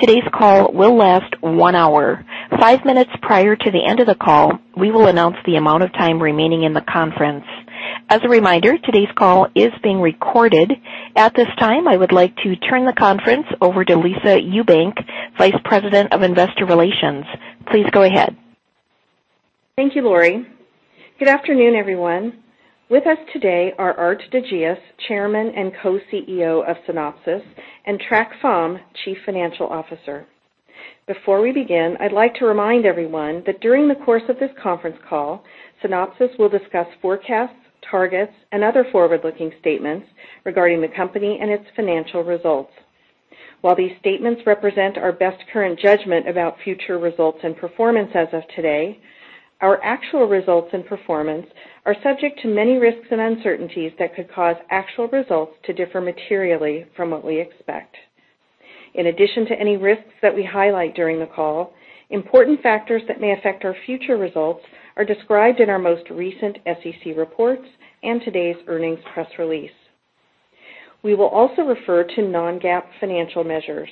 Today's call will last one hour. Five minutes prior to the end of the call, we will announce the amount of time remaining in the conference. As a reminder, today's call is being recorded. At this time, I would like to turn the conference over to Lisa Ewbank, Vice President of Investor Relations. Please go ahead. Thank you, Lori. Good afternoon, everyone. With us today are Aart de Geus, Chairman and Co-CEO of Synopsys, and Trac Pham, Chief Financial Officer. Before we begin, I'd like to remind everyone that during the course of this conference call, Synopsys will discuss forecasts, targets, and other forward-looking statements regarding the company and its financial results. While these statements represent our best current judgment about future results and performance as of today, our actual results and performance are subject to many risks and uncertainties that could cause actual results to differ materially from what we expect. In addition to any risks that we highlight during the call, important factors that may affect our future results are described in our most recent SEC reports and today's earnings press release. We will also refer to non-GAAP financial measures.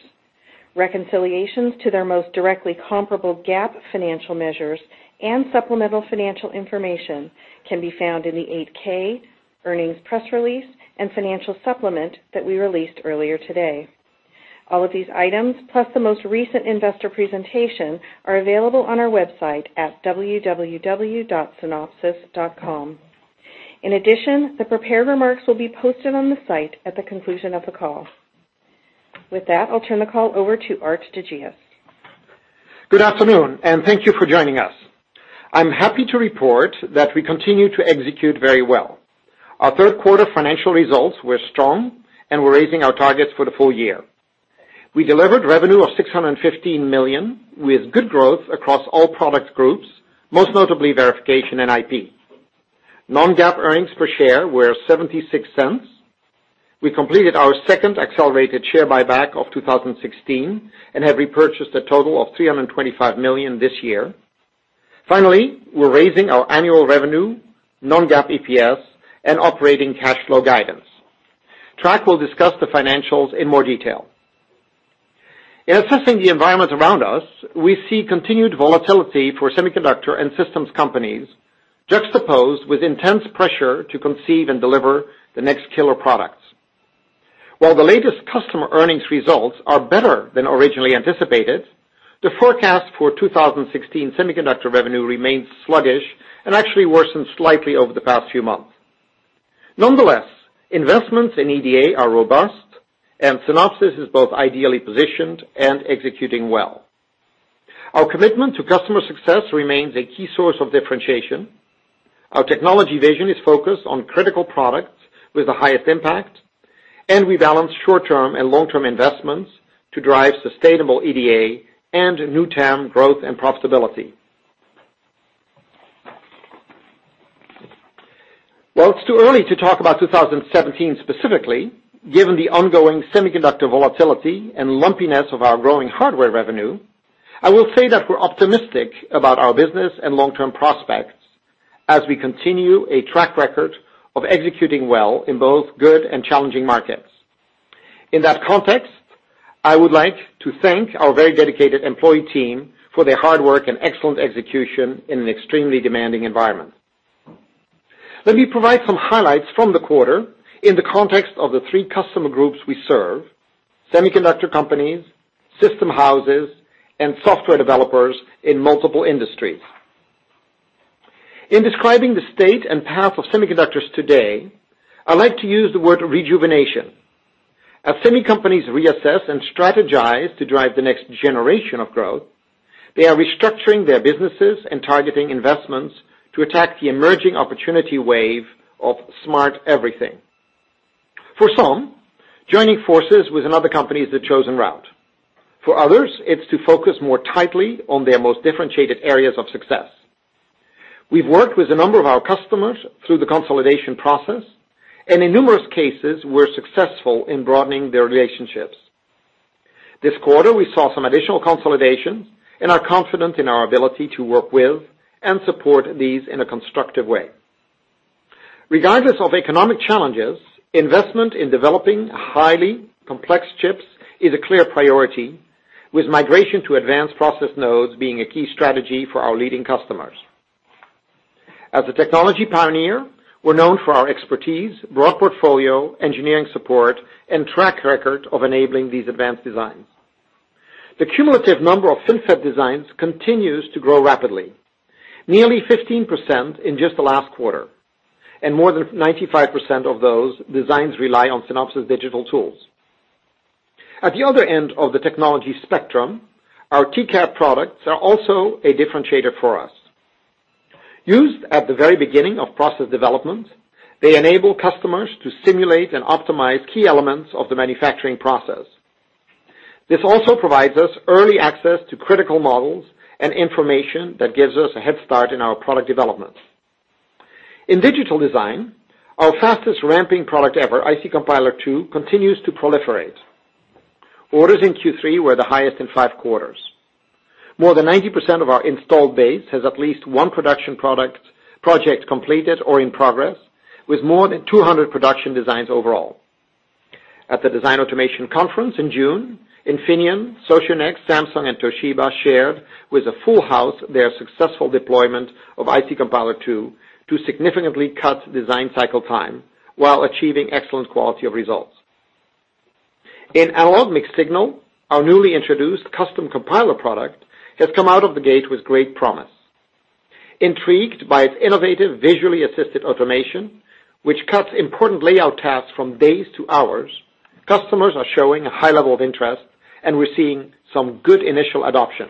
Reconciliations to their most directly comparable GAAP financial measures and supplemental financial information can be found in the 8-K earnings press release and financial supplement that we released earlier today. All of these items, plus the most recent investor presentation, are available on our website at www.synopsys.com. In addition, the prepared remarks will be posted on the site at the conclusion of the call. With that, I'll turn the call over to Aart de Geus. Good afternoon, thank you for joining us. I'm happy to report that we continue to execute very well. Our third quarter financial results were strong, and we're raising our targets for the full year. We delivered revenue of $615 million, with good growth across all product groups, most notably verification and IP. Non-GAAP earnings per share were $0.76. We completed our second accelerated share buyback of 2016 and have repurchased a total of $325 million this year. Finally, we're raising our annual revenue, non-GAAP EPS, and operating cash flow guidance. Trac will discuss the financials in more detail. In assessing the environment around us, we see continued volatility for semiconductor and systems companies juxtaposed with intense pressure to conceive and deliver the next killer products. While the latest customer earnings results are better than originally anticipated, the forecast for 2016 semiconductor revenue remains sluggish and actually worsened slightly over the past few months. Nonetheless, investments in EDA are robust, and Synopsys is both ideally positioned and executing well. Our commitment to customer success remains a key source of differentiation. Our technology vision is focused on critical products with the highest impact, and we balance short-term and long-term investments to drive sustainable EDA and new TAM growth and profitability. While it's too early to talk about 2017 specifically, given the ongoing semiconductor volatility and lumpiness of our growing hardware revenue, I will say that we're optimistic about our business and long-term prospects as we continue a track record of executing well in both good and challenging markets. In that context, I would like to thank our very dedicated employee team for their hard work and excellent execution in an extremely demanding environment. Let me provide some highlights from the quarter in the context of the three customer groups we serve, semiconductor companies, system houses, and software developers in multiple industries. In describing the state and path of semiconductors today, I'd like to use the word rejuvenation. As semi companies reassess and strategize to drive the next generation of growth, they are restructuring their businesses and targeting investments to attack the emerging opportunity wave of smart everything. For some, joining forces with another company is the chosen route. For others, it's to focus more tightly on their most differentiated areas of success. We've worked with a number of our customers through the consolidation process, and in numerous cases, we're successful in broadening their relationships. This quarter, we saw some additional consolidation and are confident in our ability to work with and support these in a constructive way. Regardless of economic challenges, investment in developing highly complex chips is a clear priority, with migration to advanced process nodes being a key strategy for our leading customers. As a technology pioneer, we're known for our expertise, broad portfolio, engineering support, and track record of enabling these advanced designs. The cumulative number of FinFET designs continues to grow rapidly. Nearly 15% in just the last quarter, and more than 95% of those designs rely on Synopsys digital tools. At the other end of the technology spectrum, our TCAD products are also a differentiator for us. Used at the very beginning of process development, they enable customers to simulate and optimize key elements of the manufacturing process. This also provides us early access to critical models and information that gives us a head start in our product development. In digital design, our fastest-ramping product ever, IC Compiler II, continues to proliferate. Orders in Q3 were the highest in five quarters. More than 90% of our installed base has at least one production project completed or in progress, with more than 200 production designs overall. At the Design Automation Conference in June, Infineon, Socionext, Samsung and Toshiba shared, with a full house, their successful deployment of IC Compiler to significantly cut design cycle time, while achieving excellent quality of results. In analog mixed signal, our newly introduced Custom Compiler product has come out of the gate with great promise. Intrigued by its innovative visually assisted automation, which cuts important layout tasks from days to hours, customers are showing a high level of interest. We're seeing some good initial adoption.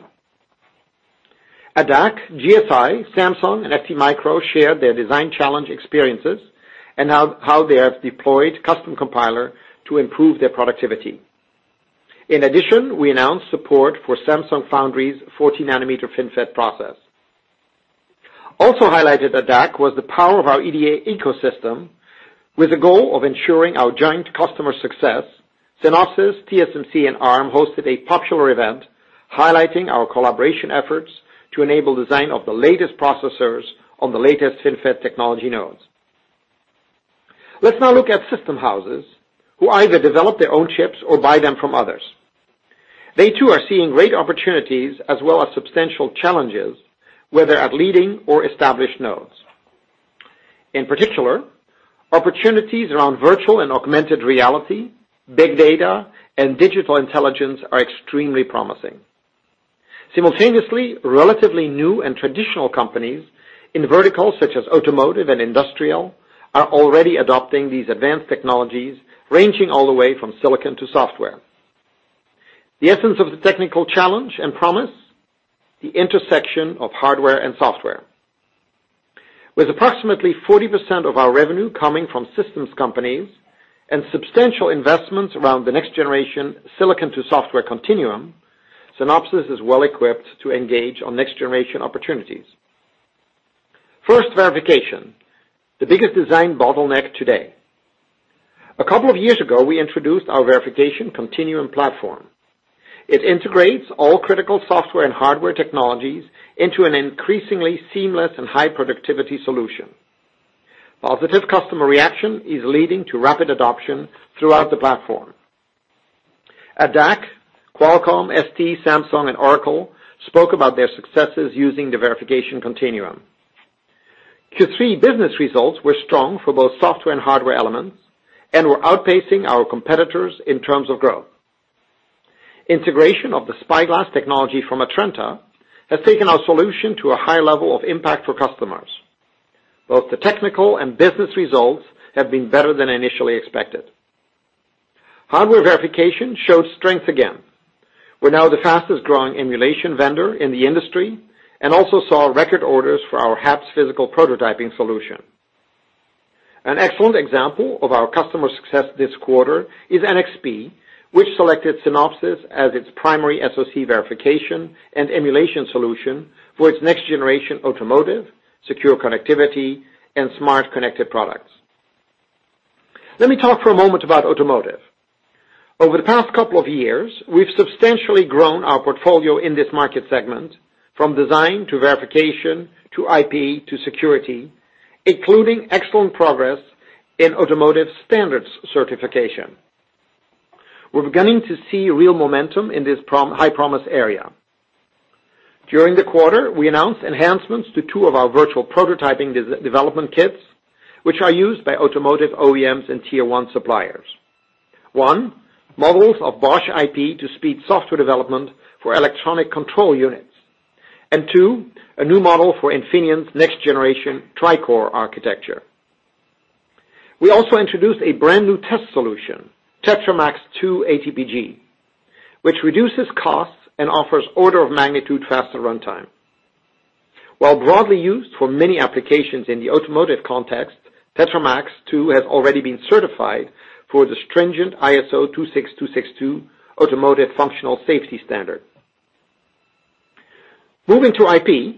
At DAC, GSI, Samsung and ST Micro shared their design challenge experiences, and how they have deployed Custom Compiler to improve their productivity. In addition, we announced support for Samsung Foundry's 40 nanometer FinFET process. Highlighted at DAC was the power of our EDA ecosystem, with a goal of ensuring our joint customer success. Synopsys, TSMC and Arm hosted a popular event highlighting our collaboration efforts to enable design of the latest processors on the latest FinFET technology nodes. Let's now look at system houses, who either develop their own chips or buy them from others. They too are seeing great opportunities as well as substantial challenges, whether at leading or established nodes. In particular, opportunities around virtual and augmented reality, big data and digital intelligence are extremely promising. Simultaneously, relatively new and traditional companies in verticals such as automotive and industrial, are already adopting these advanced technologies, ranging all the way from silicon to software. The essence of the technical challenge and promise, the intersection of hardware and software. With approximately 40% of our revenue coming from systems companies, and substantial investments around the next generation silicon to software continuum, Synopsys is well-equipped to engage on next generation opportunities. First verification, the biggest design bottleneck today. A couple of years ago, we introduced our Verification Continuum platform. It integrates all critical software and hardware technologies into an increasingly seamless and high productivity solution. Positive customer reaction is leading to rapid adoption throughout the platform. At DAC, Qualcomm, ST, Samsung and Oracle spoke about their successes using the Verification Continuum. Q3 business results were strong for both software and hardware elements. Were outpacing our competitors in terms of growth. Integration of the SpyGlass technology from Atrenta has taken our solution to a high level of impact for customers. Both the technical and business results have been better than initially expected. Hardware verification showed strength again. We're now the fastest growing emulation vendor in the industry, also saw record orders for our HAPS physical prototyping solution. An excellent example of our customer success this quarter is NXP, which selected Synopsys as its primary SoC verification and emulation solution for its next generation automotive, secure connectivity and smart connected products. Let me talk for a moment about automotive. Over the past couple of years, we've substantially grown our portfolio in this market segment, from design to verification, to IP to security, including excellent progress in automotive standards certification. We're beginning to see real momentum in this high promise area. During the quarter, we announced enhancements to two of our virtual prototyping development kits, which are used by automotive OEMs and Tier 1 suppliers. One, models of Bosch IP to speed software development for electronic control units. Two, a new model for Infineon's next generation TriCore architecture. We also introduced a brand new test solution, TetraMAX II ATPG, which reduces costs and offers order of magnitude faster runtime. While broadly used for many applications in the automotive context, TetraMAX II has already been certified for the stringent ISO 26262 automotive functional safety standard. Moving to IP,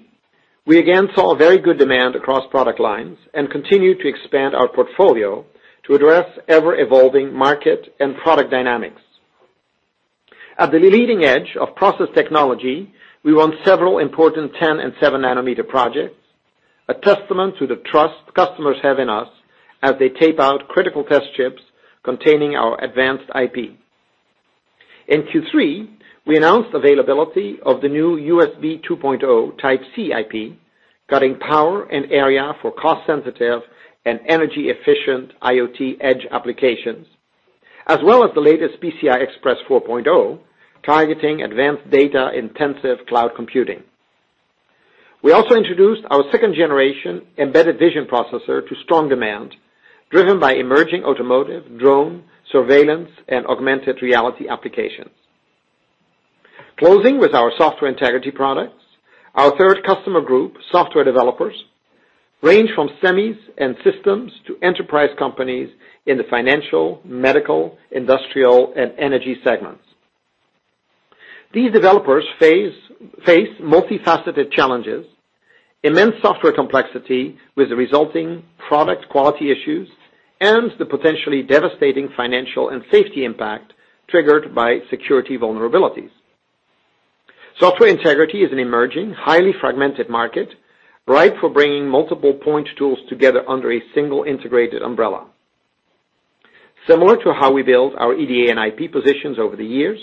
we again saw very good demand across product lines, continue to expand our portfolio to address ever-evolving market and product dynamics. At the leading edge of process technology, we won several important 10 and seven nanometer projects, a testament to the trust customers have in us as they tape out critical test chips containing our advanced IP. In Q3, we announced availability of the new USB 2.0 Type-C IP, cutting power and area for cost sensitive and energy efficient IoT edge applications, as well as the latest PCI Express 4.0, targeting advanced data intensive cloud computing. We also introduced our second generation embedded vision processor to strong demand, driven by emerging automotive, drone, surveillance, and augmented reality applications. Closing with our software integrity products, our third customer group, software developers, range from semis and systems to enterprise companies in the financial, medical, industrial, and energy segments. These developers face multifaceted challenges. Immense software complexity with the resulting product quality issues and the potentially devastating financial and safety impact triggered by security vulnerabilities. Software integrity is an emerging, highly fragmented market, ripe for bringing multiple point tools together under a single integrated umbrella. Similar to how we build our EDA and IP positions over the years,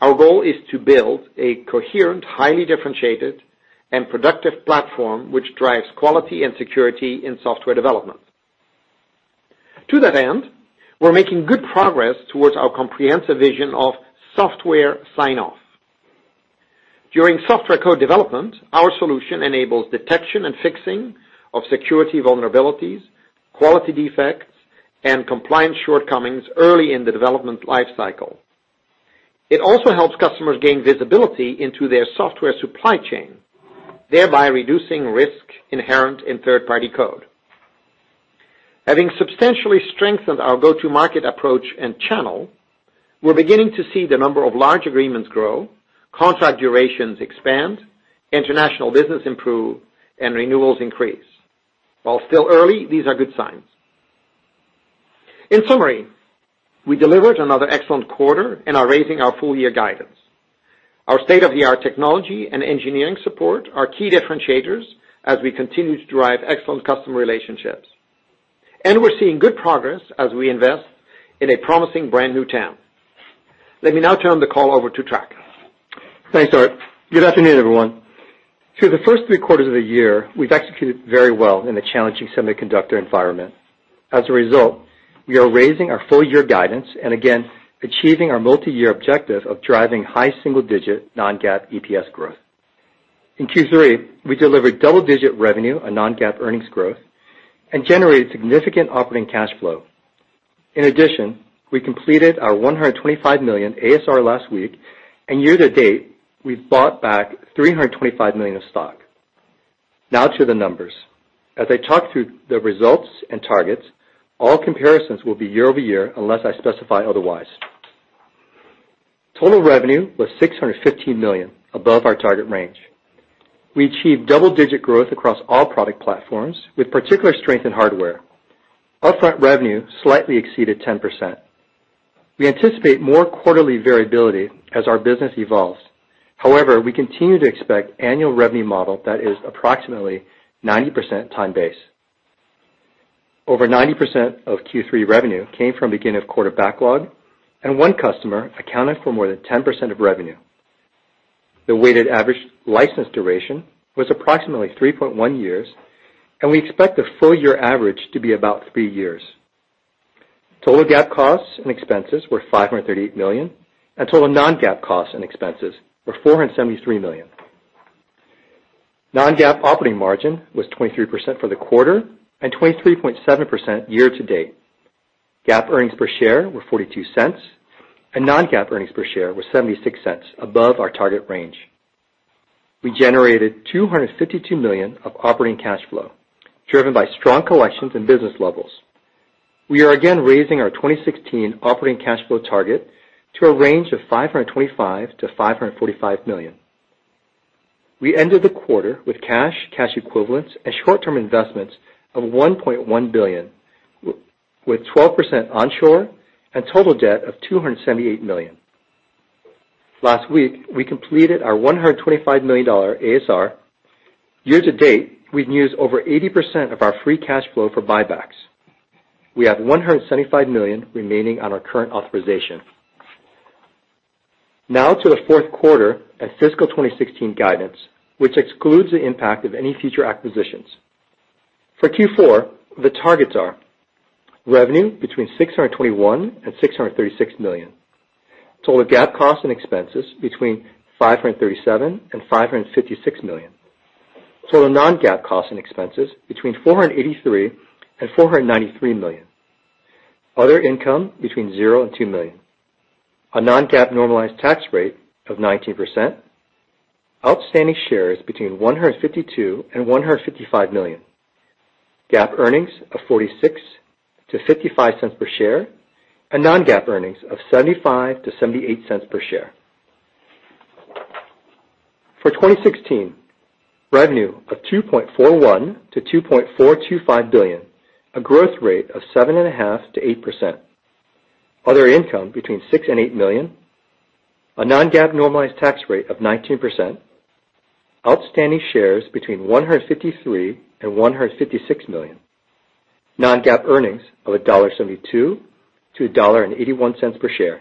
our goal is to build a coherent, highly differentiated, and productive platform which drives quality and security in software development. To that end, we're making good progress towards our comprehensive vision of software sign-off. During software co-development, our solution enables detection and fixing of security vulnerabilities, quality defects, and compliance shortcomings early in the development life cycle. It also helps customers gain visibility into their software supply chain, thereby reducing risk inherent in third-party code. Having substantially strengthened our go-to-market approach and channel, we're beginning to see the number of large agreements grow, contract durations expand, international business improve, and renewals increase. While still early, these are good signs. In summary, we delivered another excellent quarter and are raising our full-year guidance. Our state-of-the-art technology and engineering support are key differentiators as we continue to drive excellent customer relationships. We're seeing good progress as we invest in a promising brand-new TAM. Let me now turn the call over to Trac. Thanks, Aart. Good afternoon, everyone. Through the first three quarters of the year, we've executed very well in a challenging semiconductor environment. As a result, we are raising our full-year guidance and again, achieving our multi-year objective of driving high single-digit non-GAAP EPS growth. In Q3, we delivered double-digit revenue on non-GAAP earnings growth and generated significant operating cash flow. In addition, we completed our $125 million ASR last week, and year-to-date, we've bought back $325 million of stock. Now to the numbers. As I talk through the results and targets, all comparisons will be year-over-year unless I specify otherwise. Total revenue was $615 million, above our target range. We achieved double-digit growth across all product platforms, with particular strength in hardware. Upfront revenue slightly exceeded 10%. We anticipate more quarterly variability as our business evolves. However, we continue to expect annual revenue model that is approximately 90% time-based. Over 90% of Q3 revenue came from beginning of quarter backlog, and one customer accounted for more than 10% of revenue. The weighted average license duration was approximately 3.1 years, and we expect the full year average to be about three years. Total GAAP costs and expenses were $538 million, and total non-GAAP costs and expenses were $473 million. Non-GAAP operating margin was 23% for the quarter and 23.7% year to date. GAAP earnings per share were $0.42, and non-GAAP earnings per share were $0.76 above our target range. We generated $252 million of operating cash flow, driven by strong collections and business levels. We are again raising our 2016 operating cash flow target to a range of $525 million-$545 million. We ended the quarter with cash equivalents, and short-term investments of $1.1 billion, with 12% onshore and total debt of $278 million. Last week, we completed our $125 million ASR. Year to date, we've used over 80% of our free cash flow for buybacks. We have $175 million remaining on our current authorization. Now to the fourth quarter and fiscal 2016 guidance, which excludes the impact of any future acquisitions. For Q4, the targets are revenue between $621 million and $636 million. Total GAAP costs and expenses between $537 million and $556 million. Total non-GAAP costs and expenses between $483 million and $493 million. Other income between $0 and $2 million. A non-GAAP normalized tax rate of 19%. Outstanding shares between 152 million and 155 million. GAAP earnings of $0.46-$0.55 per share, and non-GAAP earnings of $0.75-$0.78 per share. For 2016, revenue of $2.41 billion-$2.425 billion, a growth rate of 7.5%-8%. Other income between $6 million and $8 million. A non-GAAP normalized tax rate of 19%. Outstanding shares between 153 million and 156 million. Non-GAAP earnings of $1.72-$1.81 per share.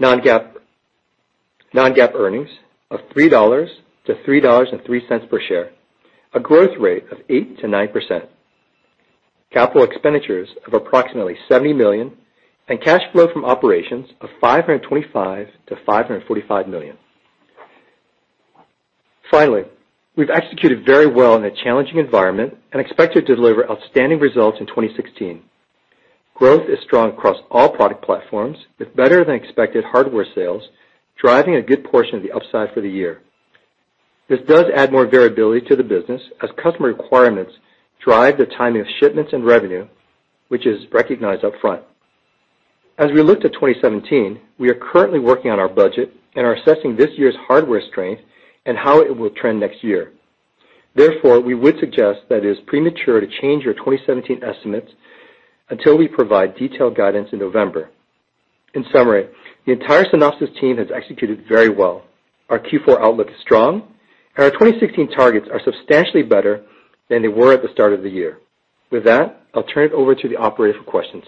Non-GAAP earnings of $3-$3.03 per share, a growth rate of 8%-9%. Capital expenditures of approximately $70 million, and cash flow from operations of $525 million-$545 million. Finally, we've executed very well in a challenging environment and expect to deliver outstanding results in 2016. Growth is strong across all product platforms, with better-than-expected hardware sales driving a good portion of the upside for the year. This does add more variability to the business as customer requirements drive the timing of shipments and revenue, which is recognized upfront. As we look to 2017, we are currently working on our budget and are assessing this year's hardware strength and how it will trend next year. Therefore, we would suggest that it is premature to change your 2017 estimates until we provide detailed guidance in November. In summary, the entire Synopsys team has executed very well. Our Q4 outlook is strong, and our 2016 targets are substantially better than they were at the start of the year. With that, I'll turn it over to the operator for questions.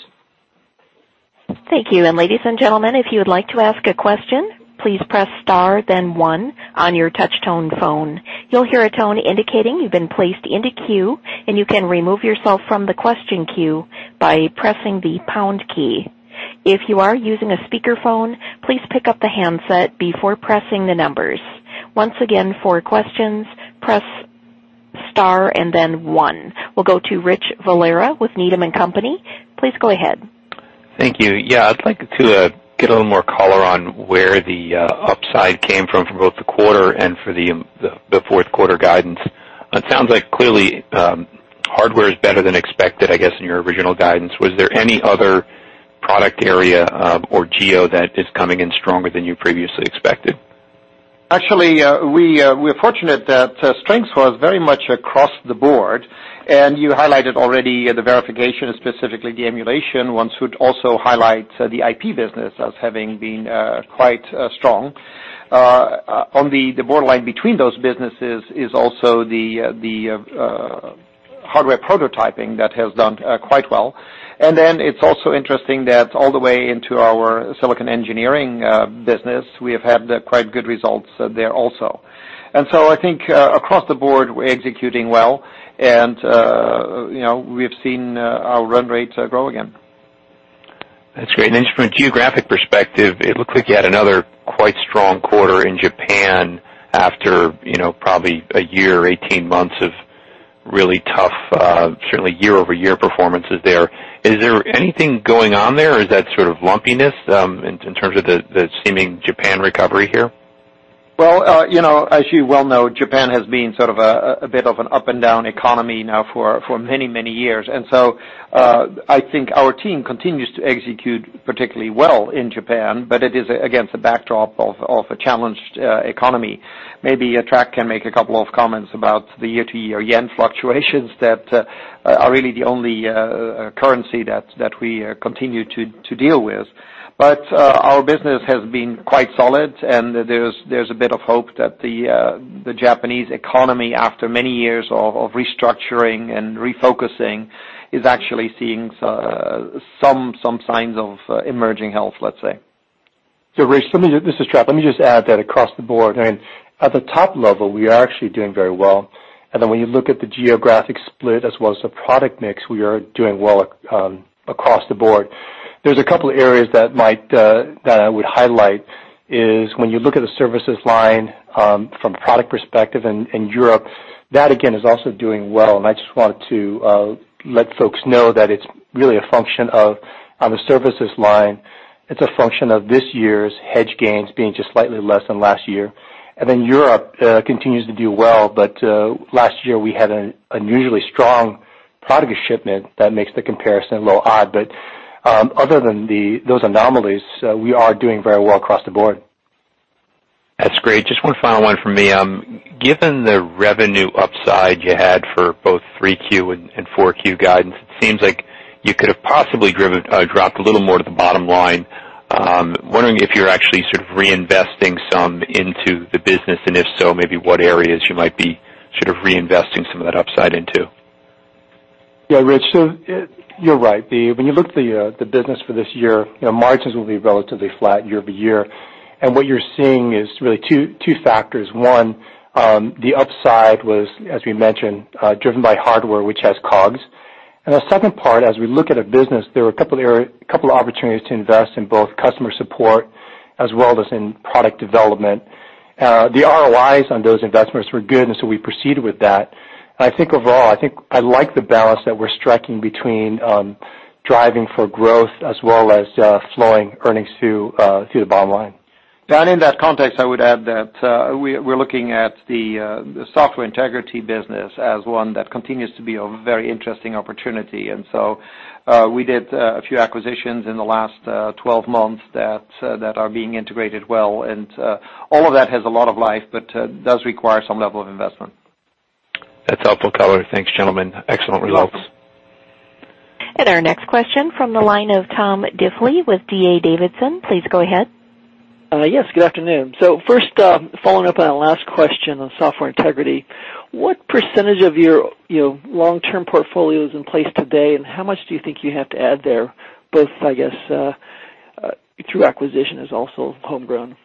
Thank you. Ladies and gentlemen, if you would like to ask a question, please press star then one on your touch tone phone. You'll hear a tone indicating you've been placed into queue, and you can remove yourself from the question queue by pressing the pound key. If you are using a speakerphone, please pick up the handset before pressing the numbers. Once again, for questions, press star and then one. We'll go to Rich Valera with Needham & Company. Please go ahead. Thank you. Yeah, I'd like to get a little more color on where the upside came from for both the quarter and for the fourth quarter guidance. It sounds like clearly, hardware is better than expected, I guess, in your original guidance. Was there any other product area or geo that is coming in stronger than you previously expected? Actually, we're fortunate that strength was very much across the board. You highlighted already the verification, specifically the emulation ones, who'd also highlight the IP business as having been quite strong. On the borderline between those businesses is also the hardware prototyping that has done quite well. It's also interesting that all the way into our silicon engineering business, we have had quite good results there also. I think across the board, we're executing well and we've seen our run rates grow again. That's great. From a geographic perspective, it looks like you had another quite strong quarter in Japan after probably a year or 18 months of really tough certainly year-over-year performances there. Is there anything going on there? Is that sort of lumpiness in terms of the seeming Japan recovery here? Well, as you well know, Japan has been sort of a bit of an up and down economy now for many years. I think our team continues to execute particularly well in Japan, but it is against the backdrop of a challenged economy. Maybe Trac can make a couple of comments about the year-over-year yen fluctuations that are really the only currency that we continue to deal with. Our business has been quite solid, and there's a bit of hope that the Japanese economy, after many years of restructuring and refocusing, is actually seeing some signs of emerging health, let's say. Rich, this is Trac. Let me just add that across the board, and at the top level, we are actually doing very well. When you look at the geographic split as well as the product mix, we are doing well across the board. There's a couple areas that I would highlight, is when you look at the services line from product perspective in Europe, that again is also doing well, and I just wanted to let folks know that it's really a function of, on the services line, it's a function of this year's hedge gains being just slightly less than last year. Europe continues to do well, last year we had an unusually strong product shipment that makes the comparison a little odd. Other than those anomalies, we are doing very well across the board. That's great. Just one final one from me. Given the revenue upside you had for both Q3 and Q4 guidance, it seems like you could have possibly dropped a little more to the bottom line. I'm wondering if you're actually sort of reinvesting some into the business, and if so, maybe what areas you might be sort of reinvesting some of that upside into. Yeah, Rich. You're right. When you look at the business for this year, margins will be relatively flat year-over-year. What you're seeing is really two factors. One, the upside was, as we mentioned, driven by hardware, which has COGS. The second part, as we look at a business, there were a couple of opportunities to invest in both customer support as well as in product development. The ROIs on those investments were good, we proceeded with that. I think overall, I like the balance that we're striking between driving for growth as well as flowing earnings to the bottom line. In that context, I would add that we're looking at the software integrity business as one that continues to be a very interesting opportunity. We did a few acquisitions in the last 12 months that are being integrated well. All of that has a lot of life, but does require some level of investment. That's helpful color. Thanks, gentlemen. Excellent results. Our next question from the line of Tom Diffely with D.A. Davidson. Please go ahead. Good afternoon. First, following up on that last question on software integrity, what percentage of your long-term portfolio is in place today, and how much do you think you have to add there, both, I guess, through acquisition is also homegrown?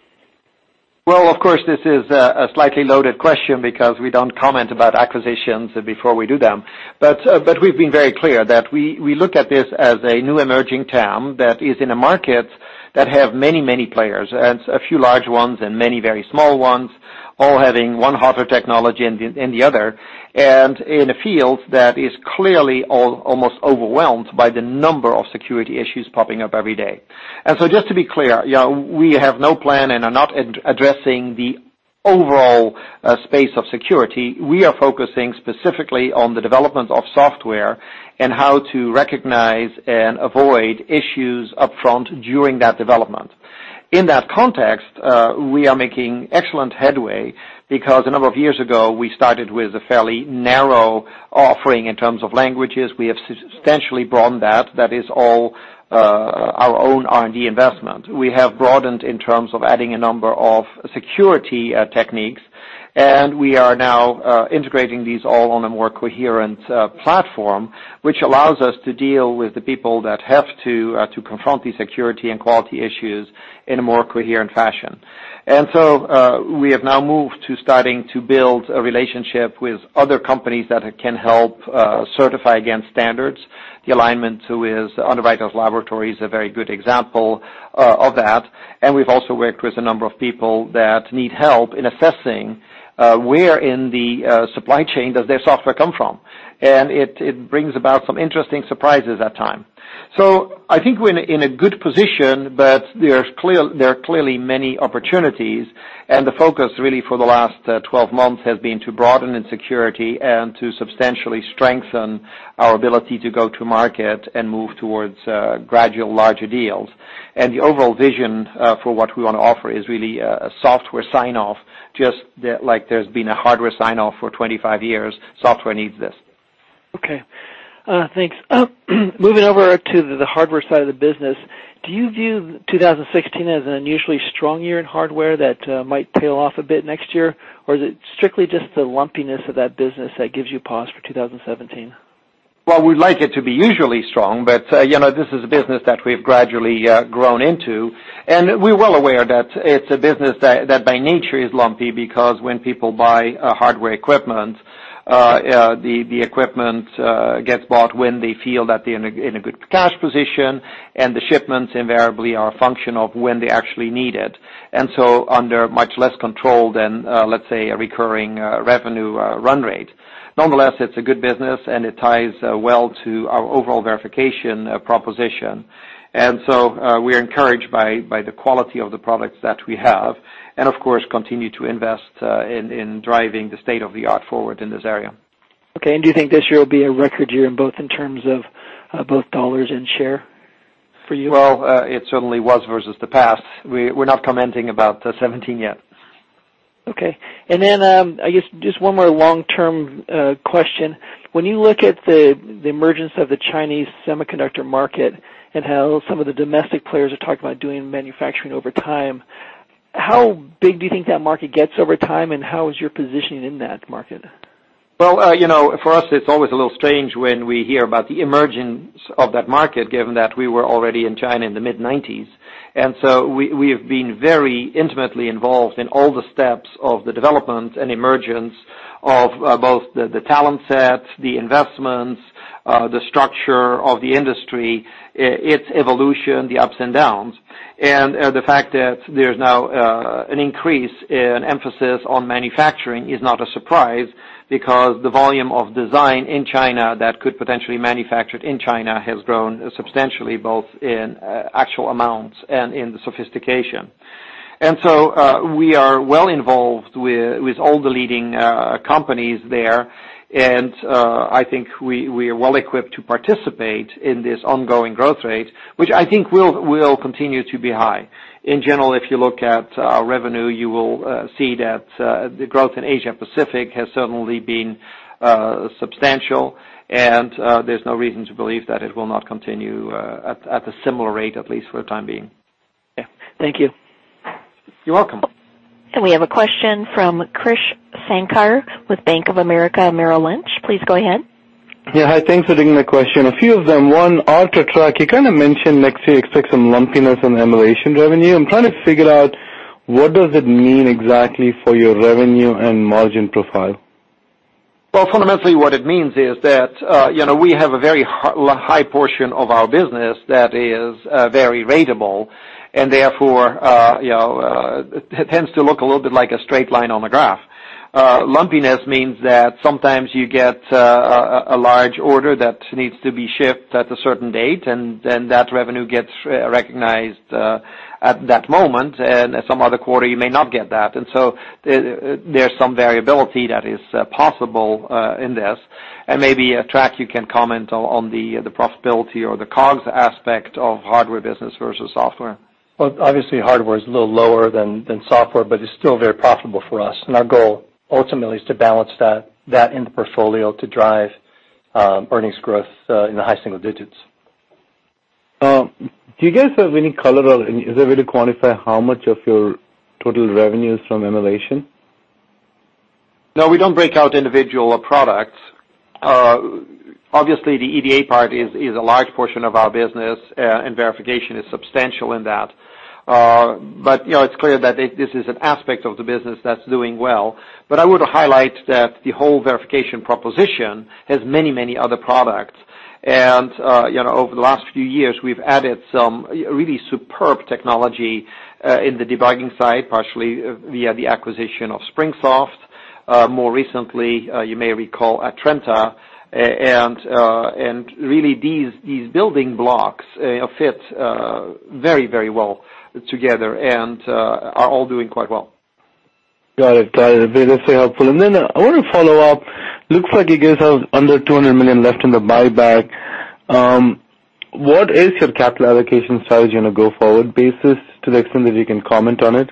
Of course, this is a slightly loaded question because we don't comment about acquisitions before we do them. We've been very clear that we look at this as a new emerging TAM that is in a market that have many players, a few large ones and many very small ones, all having one hotter technology than the other, in a field that is clearly almost overwhelmed by the number of security issues popping up every day. Just to be clear, we have no plan and are not addressing the overall space of security, we are focusing specifically on the development of software and how to recognize and avoid issues upfront during that development. In that context, we are making excellent headway because a number of years ago, we started with a fairly narrow offering in terms of languages. We have substantially broadened that. That is all our own R&D investment. We have broadened in terms of adding a number of security techniques, we are now integrating these all on a more coherent platform, which allows us to deal with the people that have to confront the security and quality issues in a more coherent fashion. We have now moved to starting to build a relationship with other companies that can help certify against standards. The alignment with Underwriters Laboratories is a very good example of that, we've also worked with a number of people that need help in assessing where in the supply chain does their software come from. It brings about some interesting surprises at time. I think we're in a good position, but there are clearly many opportunities, the focus really for the last 12 months has been to broaden in security and to substantially strengthen our ability to go to market and move towards gradual larger deals. The overall vision for what we want to offer is really a software sign-off, just like there's been a hardware sign-off for 25 years. Software needs this. Okay. Thanks. Moving over to the hardware side of the business, do you view 2016 as an unusually strong year in hardware that might tail off a bit next year? Is it strictly just the lumpiness of that business that gives you pause for 2017? We'd like it to be usually strong, but this is a business that we've gradually grown into, and we're well aware that it's a business that by nature is lumpy because when people buy hardware equipment, the equipment gets bought when they feel that they're in a good cash position, and the shipments invariably are a function of when they actually need it. So under much less control than, let's say, a recurring revenue run rate. Nonetheless, it's a good business, and it ties well to our overall verification proposition. So we're encouraged by the quality of the products that we have and of course, continue to invest in driving the state-of-the-art forward in this area. Okay. Do you think this year will be a record year in both in terms of both dollars and share for you? It certainly was versus the past. We're not commenting about the 2017 yet. Okay. I guess just one more long-term question. When you look at the emergence of the Chinese semiconductor market and how some of the domestic players are talking about doing manufacturing over time, how big do you think that market gets over time, and how is your positioning in that market? Well, for us, it's always a little strange when we hear about the emergence of that market, given that we were already in China in the mid-1990s. We have been very intimately involved in all the steps of the development and emergence of both the talent sets, the investments, the structure of the industry, its evolution, the ups and downs. The fact that there's now an increase in emphasis on manufacturing is not a surprise because the volume of design in China that could potentially manufacture in China has grown substantially, both in actual amounts and in the sophistication. We are well involved with all the leading companies there, and I think we are well equipped to participate in this ongoing growth rate, which I think will continue to be high. In general, if you look at our revenue, you will see that the growth in Asia Pacific has certainly been substantial, there's no reason to believe that it will not continue at a similar rate, at least for the time being. Okay. Thank you. You're welcome. We have a question from Krish Sankar with Bank of America, Merrill Lynch. Please go ahead. Yeah, hi. Thanks for taking the question. A few of them. One, Aart and Trac, you kind of mentioned next year expect some lumpiness in emulation revenue. I'm trying to figure out what does it mean exactly for your revenue and margin profile? Well, fundamentally, what it means is that we have a very high portion of our business that is very ratable, and therefore, it tends to look a little bit like a straight line on the graph. Lumpiness means that sometimes you get a large order that needs to be shipped at a certain date, and then that revenue gets recognized at that moment, and some other quarter you may not get that. There's some variability that is possible in this, and maybe, Trac, you can comment on the profitability or the COGS aspect of hardware business versus software. Well, obviously hardware is a little lower than software, but it's still very profitable for us, and our goal ultimately is to balance that in the portfolio to drive earnings growth in the high single digits. Do you guys have any color or is there a way to quantify how much of your total revenue is from emulation? No, we don't break out individual products. Obviously, the EDA part is a large portion of our business, and verification is substantial in that. It's clear that this is an aspect of the business that's doing well. I would highlight that the whole verification proposition has many other products. Over the last few years, we've added some really superb technology in the debugging side, partially via the acquisition of SpringSoft. More recently, you may recall Atrenta, and really these building blocks fit very well together and are all doing quite well. Got it. Very helpful. I want to follow up. Looks like you guys have under $200 million left in the buyback. What is your capital allocation size on a go-forward basis, to the extent that you can comment on it?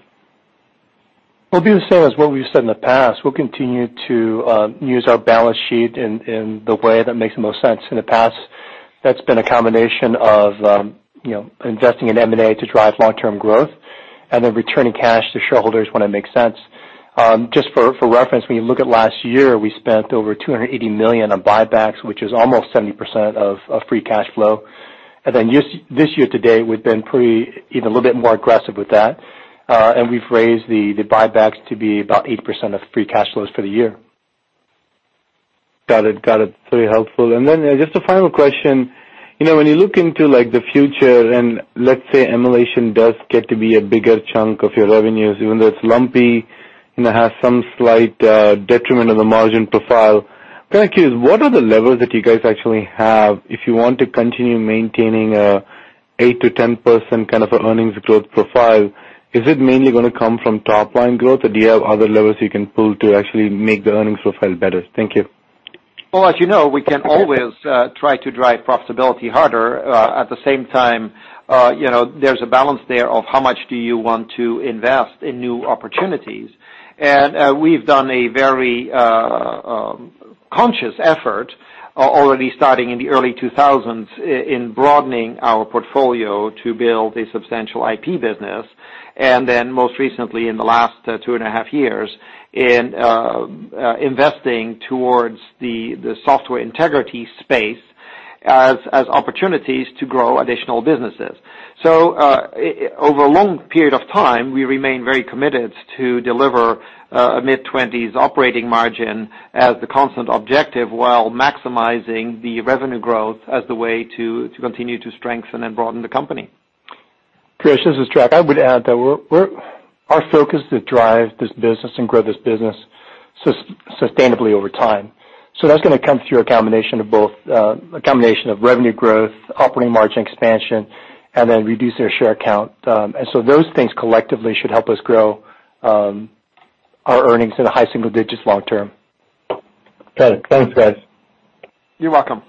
It'll be the same as what we've said in the past. We'll continue to use our balance sheet in the way that makes the most sense. In the past, that's been a combination of investing in M&A to drive long-term growth, and then returning cash to shareholders when it makes sense. Just for reference, when you look at last year, we spent over $280 million on buybacks, which is almost 70% of free cash flow. This year to date, we've been pretty even a little bit more aggressive with that. We've raised the buybacks to be about 8% of free cash flows for the year. Got it. Very helpful. Just a final question. When you look into the future and let's say emulation does get to be a bigger chunk of your revenues, even though it's lumpy and it has some slight detriment on the margin profile, can I ask you, what are the levels that you guys actually have if you want to continue maintaining an 8%-10% kind of earnings growth profile? Is it mainly going to come from top-line growth, or do you have other levers you can pull to actually make the earnings profile better? Thank you. Well, as you know, we can always try to drive profitability harder. At the same time, there's a balance there of how much do you want to invest in new opportunities. We've done a very conscious effort already starting in the early 2000s in broadening our portfolio to build a substantial IP business. Most recently, in the last 2.5 years, in investing towards the software integrity space as opportunities to grow additional businesses. Over a long period of time, we remain very committed to deliver a mid-20s operating margin as the constant objective, while maximizing the revenue growth as the way to continue to strengthen and broaden the company. Krish, this is Trac. I would add that our focus is to drive this business and grow this business sustainably over time. That's going to come through a combination of revenue growth, operating margin expansion, and then reducing our share count. Those things collectively should help us grow our earnings in the high single digits long term. Got it. Thanks, guys. You're welcome.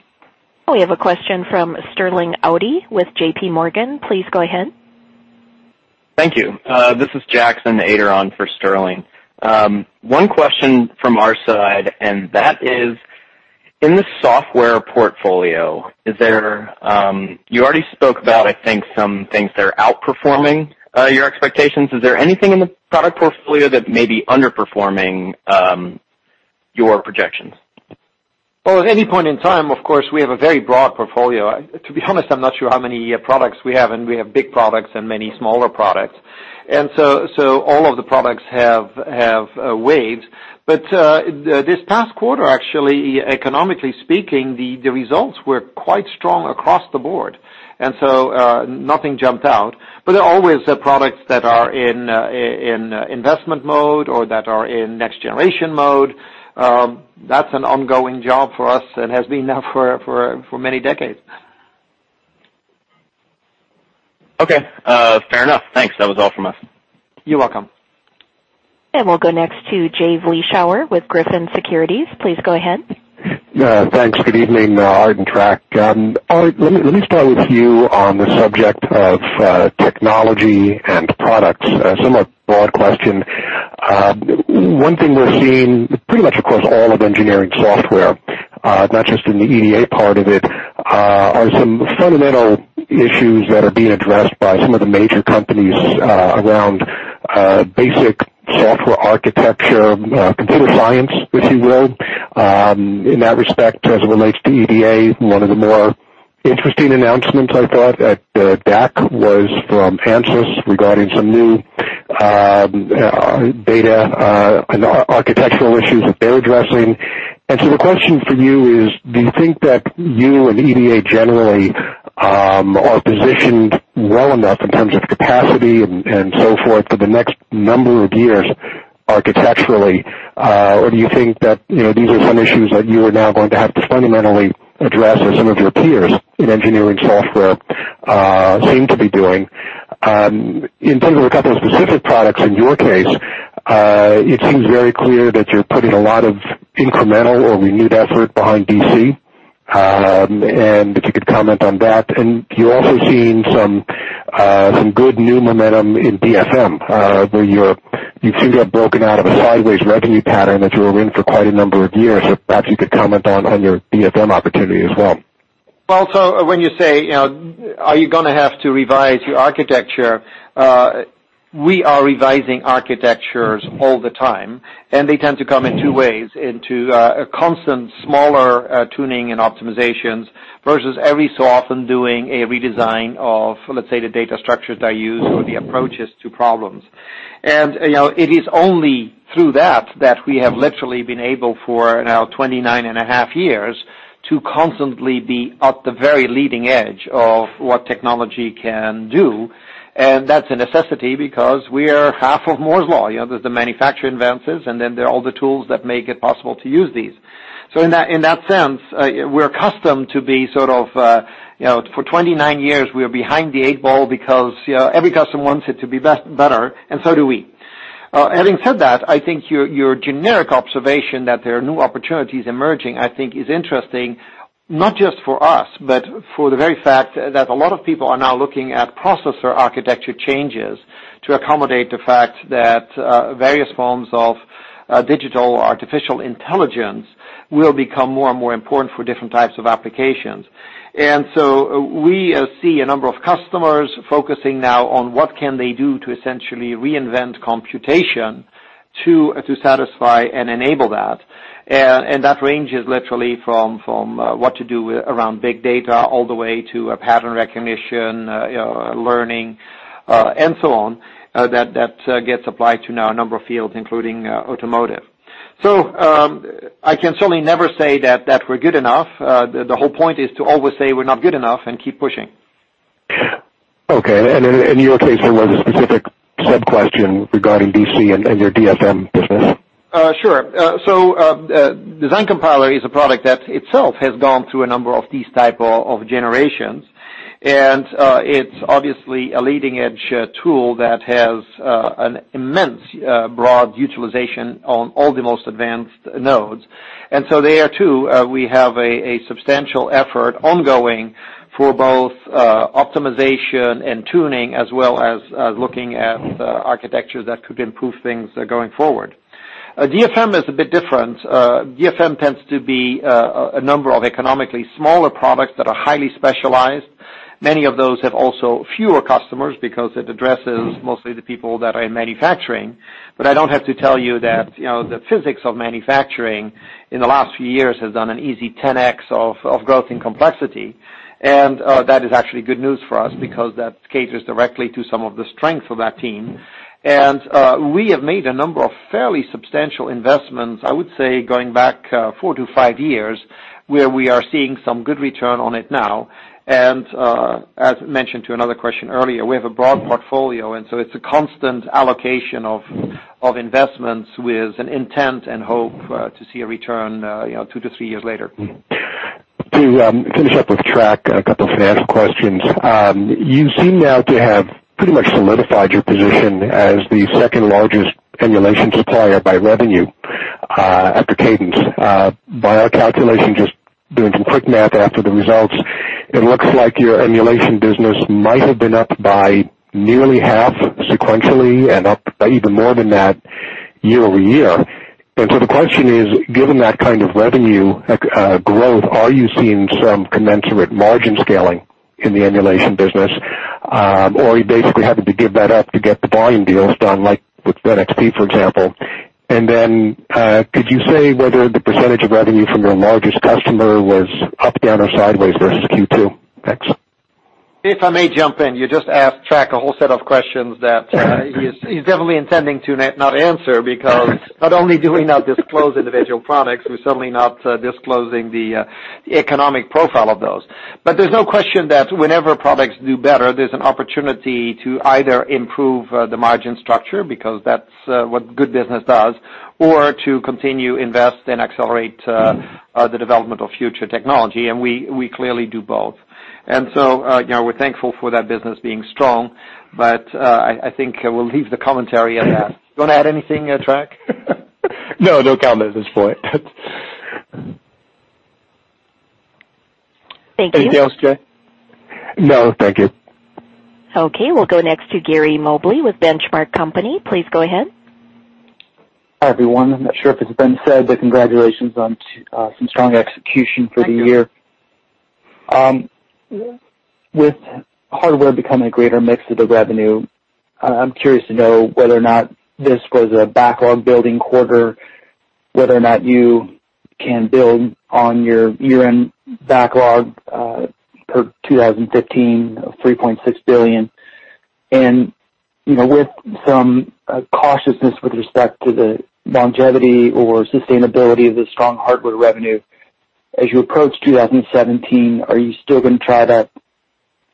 We have a question from Sterling Auty with J.P. Morgan. Please go ahead. Thank you. This is Jackson Ader for Sterling. One question from our side, and that is, in the software portfolio, you already spoke about, I think, some things that are outperforming your expectations. Is there anything in the product portfolio that may be underperforming your projections? Well, at any point in time, of course, we have a very broad portfolio. To be honest, I'm not sure how many products we have, and we have big products and many smaller products. All of the products have waves. This past quarter, actually, economically speaking, the results were quite strong across the board. Nothing jumped out. There are always products that are in investment mode or that are in next generation mode. That's an ongoing job for us and has been now for many decades. Okay. Fair enough. Thanks. That was all from us. You're welcome. We'll go next to Jay Vleeschhouwer with Griffin Securities. Please go ahead. Thanks. Good evening, Aart and Trac. Aart, let me start with you on the subject of technology and products. A somewhat broad question. One thing we're seeing pretty much across all of engineering software, not just in the EDA part of it, are some fundamental issues that are being addressed by some of the major companies around basic software architecture, computer science, if you will. In that respect, as it relates to EDA, one of the more interesting announcements I thought at DAC was from ANSYS regarding some new data and architectural issues that they're addressing. The question for you is, do you think that you and EDA generally are positioned well enough in terms of capacity and so forth for the next number of years architecturally? Do you think that these are some issues that you are now going to have to fundamentally address as some of your peers in engineering software seem to be doing? In terms of a couple of specific products in your case, it seems very clear that you're putting a lot of incremental or renewed effort behind DC. If you could comment on that. You're also seeing some good new momentum in DFM where you seem to have broken out of a sideways revenue pattern that you were in for quite a number of years. Perhaps you could comment on your DFM opportunity as well. When you say, are you going to have to revise your architecture? We are revising architectures all the time, and they tend to come in two ways, into a constant smaller tuning and optimizations versus every so often doing a redesign of, let's say, the data structures I use or the approaches to problems. It is only through that we have literally been able for now 29 and a half years to constantly be at the very leading edge of what technology can do. That's a necessity because we are half of Moore's law. There's the manufacturing advances, and then there are all the tools that make it possible to use these. In that sense, we're accustomed to be sort of, for 29 years, we are behind the eight ball because every customer wants it to be better, and so do we. Having said that, I think your generic observation that there are new opportunities emerging, I think is interesting, not just for us, but for the very fact that a lot of people are now looking at processor architecture changes to accommodate the fact that various forms of digital artificial intelligence will become more and more important for different types of applications. We see a number of customers focusing now on what can they do to essentially reinvent computation to satisfy and enable that. That ranges literally from what to do around big data all the way to pattern recognition, learning, and so on, that gets applied to now a number of fields, including automotive. I can certainly never say that we're good enough. The whole point is to always say we're not good enough and keep pushing. Okay. In your case, there was a specific sub-question regarding DC and your DFM business. Sure. Design Compiler is a product that itself has gone through a number of these type of generations. It's obviously a leading-edge tool that has an immense broad utilization on all the most advanced nodes. There too, we have a substantial effort ongoing for both optimization and tuning, as well as looking at architecture that could improve things going forward. DFM is a bit different. DFM tends to be a number of economically smaller products that are highly specialized. Many of those have also fewer customers because it addresses mostly the people that are in manufacturing. I don't have to tell you that the physics of manufacturing in the last few years has done an easy 10x of growth in complexity. That is actually good news for us because that caters directly to some of the strength of that team. We have made a number of fairly substantial investments, I would say, going back four to five years, where we are seeing some good return on it now. As mentioned to another question earlier, we have a broad portfolio, it's a constant allocation of investments with an intent and hope to see a return two to three years later. To finish up with Trac, a couple financial questions. You seem now to have pretty much solidified your position as the second-largest emulation supplier by revenue after Cadence. By our calculation, just doing some quick math after the results, it looks like your emulation business might have been up by nearly half sequentially and up by even more than that year-over-year. The question is, given that kind of revenue growth, are you seeing some commensurate margin scaling in the emulation business? Or are you basically having to give that up to get the volume deals done, like with NXP, for example? Could you say whether the percentage of revenue from your largest customer was up, down, or sideways versus Q2? Thanks. If I may jump in, you just asked Trac a whole set of questions that he's definitely intending to not answer, because not only do we not disclose individual products, we're certainly not disclosing the economic profile of those. There's no question that whenever products do better, there's an opportunity to either improve the margin structure, because that's what good business does, or to continue invest and accelerate the development of future technology, we clearly do both. We're thankful for that business being strong, but I think we'll leave the commentary at that. You want to add anything, Trac? No, no comment at this point. Thank you. Anything else, Jay? No, thank you. Okay, we'll go next to Gary Mobley with Benchmark Company. Please go ahead. Hi, everyone. I'm not sure if it's been said, but congratulations on some strong execution for the year. With hardware becoming a greater mix of the revenue, I'm curious to know whether or not this was a backlog-building quarter, whether or not you can build on your year-end backlog, per 2015, of $3.6 billion. With some cautiousness with respect to the longevity or sustainability of the strong hardware revenue, as you approach 2017, are you still going to try to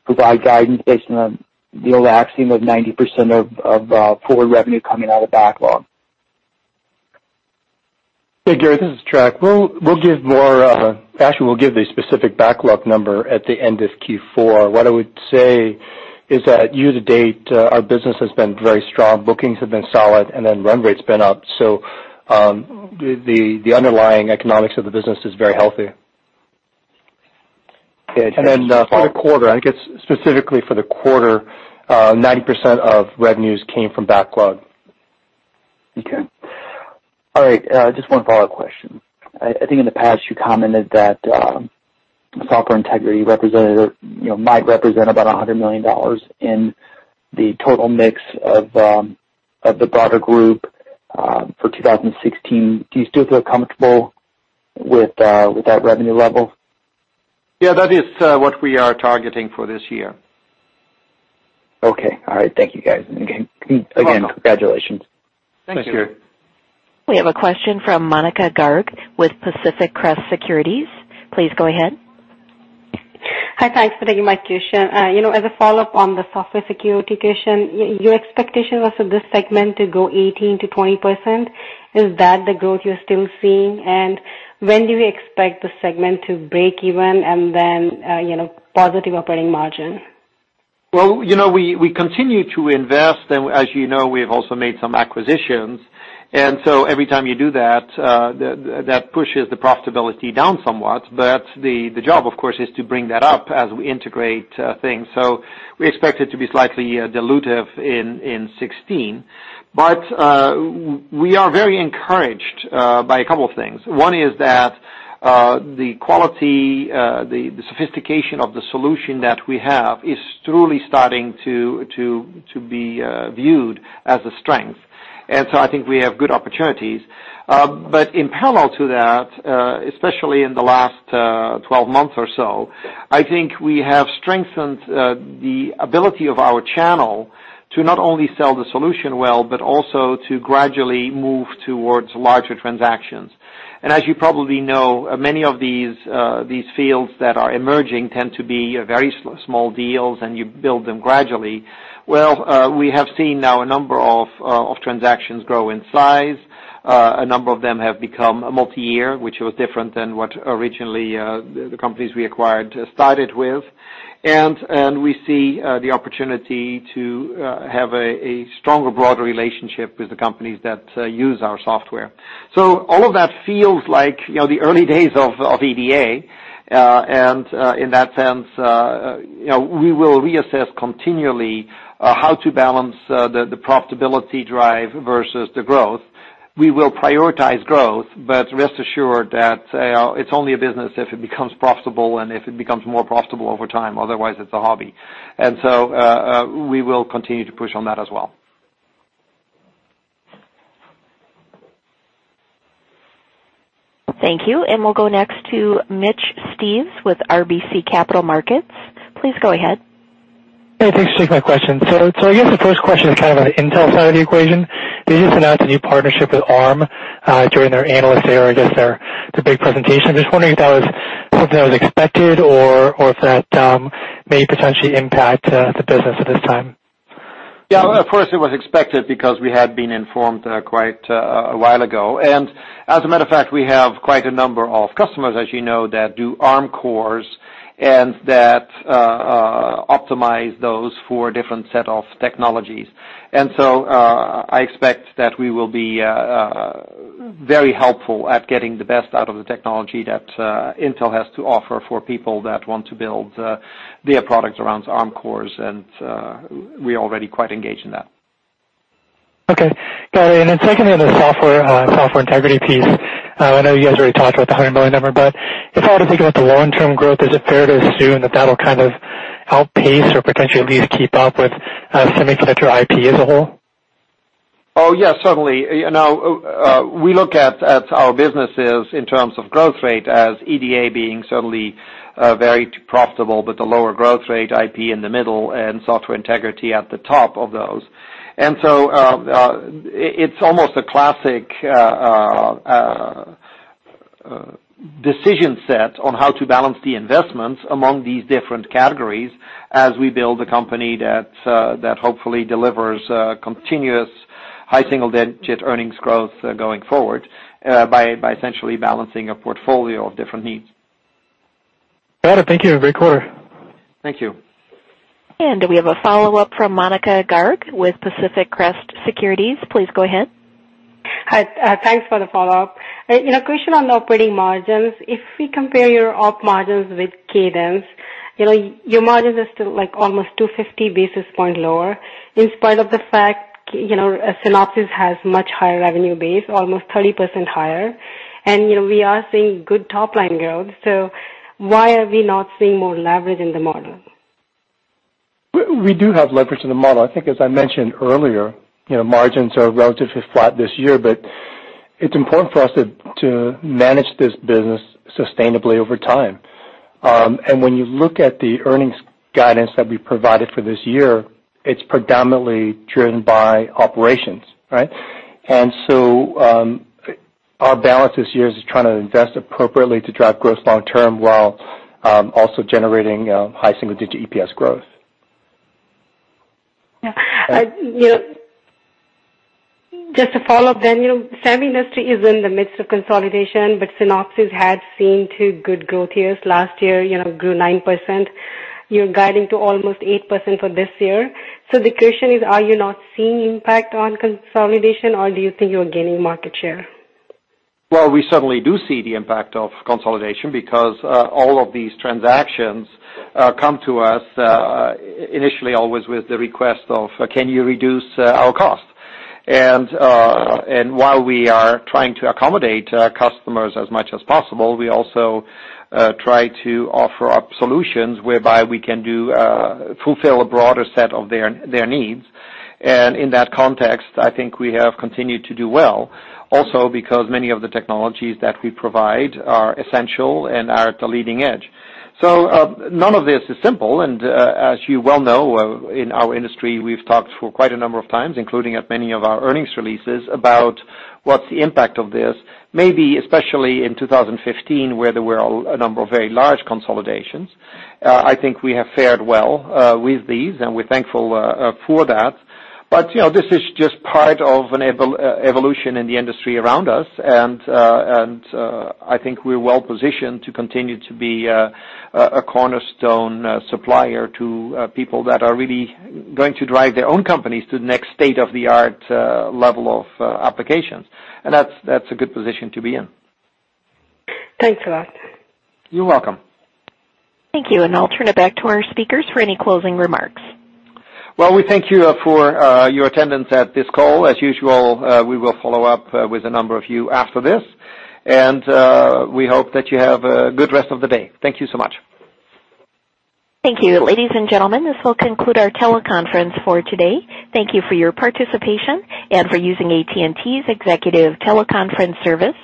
provide guidance based on the old axiom of 90% of forward revenue coming out of backlog? Hey, Gary, this is Trac. Actually, we'll give the specific backlog number at the end of Q4. What I would say is that year-to-date, our business has been very strong. Bookings have been solid, and then run rate's been up. The underlying economics of the business is very healthy. For the quarter, I guess specifically for the quarter, 90% of revenues came from backlog. Okay. All right, just one follow-up question. I think in the past you commented that Software Integrity might represent about $100 million in the total mix of the broader group for 2016. Do you still feel comfortable with that revenue level? Yeah, that is what we are targeting for this year. Okay. All right. Thank you, guys. You're welcome. Again, congratulations. Thank you. Thank you. We have a question from Monika Garg with Pacific Crest Securities. Please go ahead. Hi. Thanks for taking my question. As a follow-up on the software security question, your expectation was for this segment to go 18%-20%. Is that the growth you're still seeing? When do you expect the segment to break even, and then positive operating margin? We continue to invest, as you know, we have also made some acquisitions. Every time you do that pushes the profitability down somewhat. The job, of course, is to bring that up as we integrate things. We expect it to be slightly dilutive in 2016. We are very encouraged by a couple of things. One is that the quality, the sophistication of the solution that we have is truly starting to be viewed as a strength. I think we have good opportunities. In parallel to that, especially in the last 12 months or so, I think we have strengthened the ability of our channel to not only sell the solution well, but also to gradually move towards larger transactions. As you probably know, many of these fields that are emerging tend to be very small deals, and you build them gradually. We have seen now a number of transactions grow in size. A number of them have become multi-year, which was different than what originally, the companies we acquired started with. We see the opportunity to have a stronger, broader relationship with the companies that use our software. All of that feels like the early days of EDA. In that sense, we will reassess continually how to balance the profitability drive versus the growth. We will prioritize growth, but rest assured that it's only a business if it becomes profitable and if it becomes more profitable over time. Otherwise, it's a hobby. We will continue to push on that as well. Thank you. We'll go next to Mitch Steves with RBC Capital Markets. Please go ahead. Hey, thanks for taking my question. I guess the first question is on the Intel side of the equation. They just announced a new partnership with Arm during their analyst day or I guess their big presentation. Just wondering if that was something that was expected or if that may potentially impact the business at this time. Yeah, of course, it was expected because we had been informed quite a while ago. As a matter of fact, we have quite a number of customers, as you know, that do Arm cores and that optimize those for a different set of technologies. I expect that we will be very helpful at getting the best out of the technology that Intel has to offer for people that want to build their products around Arm cores. We are already quite engaged in that. Okay, got it. Secondly, on the software integrity piece, I know you guys already talked about the $100 million number. If I were to think about the long-term growth, is it fair to assume that that'll help pace or potentially at least keep up with semiconductor IP as a whole? Oh, yes, certainly. We look at our businesses in terms of growth rate as EDA being certainly very profitable, but the lower growth rate IP in the middle and software integrity at the top of those. It's almost a classic decision set on how to balance the investments among these different categories as we build a company that hopefully delivers continuous high single-digit earnings growth going forward by essentially balancing a portfolio of different needs. Got it. Thank you. Great quarter. Thank you. We have a follow-up from Monika Garg with Pacific Crest Securities. Please go ahead. Hi. Thanks for the follow-up. A question on op margins. If we compare your op margins with Cadence, your margins are still almost 250 basis point lower, in spite of the fact Synopsys has much higher revenue base, almost 30% higher, and we are seeing good top-line growth. Why are we not seeing more leverage in the model? We do have leverage in the model. I think as I mentioned earlier, margins are relatively flat this year, but it's important for us to manage this business sustainably over time. When you look at the earnings guidance that we provided for this year, it's predominantly driven by operations, right? Our balance this year is trying to invest appropriately to drive growth long term while also generating high single-digit EPS growth. Yeah. Just to follow up, semi industry is in the midst of consolidation, but Synopsys had seen two good growth years. Last year, it grew 9%. You're guiding to almost 8% for this year. The question is, are you not seeing impact on consolidation, or do you think you're gaining market share? Well, we certainly do see the impact of consolidation because all of these transactions come to us initially, always with the request of, "Can you reduce our cost?" While we are trying to accommodate customers as much as possible, we also try to offer up solutions whereby we can fulfill a broader set of their needs. In that context, I think we have continued to do well, also because many of the technologies that we provide are essential and are at the leading edge. None of this is simple, and as you well know, in our industry, we've talked for quite a number of times, including at many of our earnings releases, about what's the impact of this. Maybe especially in 2015, where there were a number of very large consolidations, I think we have fared well with these, and we're thankful for that. This is just part of an evolution in the industry around us, and I think we're well-positioned to continue to be a cornerstone supplier to people that are really going to drive their own companies to the next state-of-the-art level of applications. That's a good position to be in. Thanks a lot. You're welcome. Thank you. I'll turn it back to our speakers for any closing remarks. Well, we thank you for your attendance at this call. As usual, we will follow up with a number of you after this. We hope that you have a good rest of the day. Thank you so much. Thank you. Ladies and gentlemen, this will conclude our teleconference for today. Thank you for your participation and for using AT&T's Executive Teleconference service.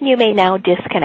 You may now disconnect.